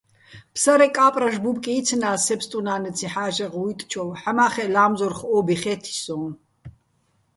ფსარე კა́პრაშ ბუბკი იცნა́ს სე ბსტუნა́ნეცი ჰ̦ა́შეღ ვუ́ჲტჩოვ, ჰ̦ამა́ხეჸ ლა́მზურ ო́ბი ხე́თი სოჼ.